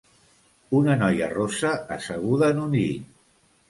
Una noia rossa asseguda en un llit